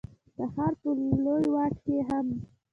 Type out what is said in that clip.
د ښار په لوی واټ کي هم،